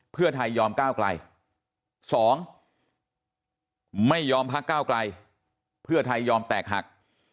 เพื่อไทยยอมก้าวไกล๒ไม่ยอมพักก้าวไกลเพื่อไทยยอมแตกหัก